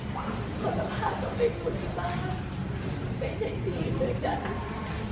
เขาจะผ่านกับไอ้คุณมากไม่ใช่ชีวิตด้วยกัน